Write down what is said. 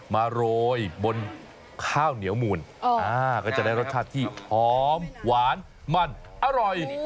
โรยบนข้าวเหนียวมูลก็จะได้รสชาติที่หอมหวานมันอร่อย